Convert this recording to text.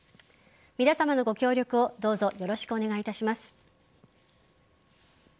皆さまのご協力をどうぞよろしくお願いいたします。